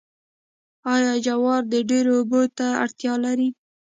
آیا جوار ډیرو اوبو ته اړتیا لري؟